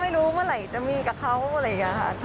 ไม่รู้เมื่อไหร่จะมีกับเขาอะไรอย่างนี้ค่ะ